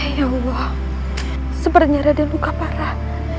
ya allah sepertinya ada luka parah